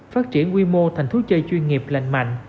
phát triển quy mô thành thú chơi chuyên nghiệp lành mạnh